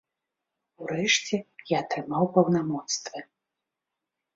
Урэшце, я атрымаў паўнамоцтвы.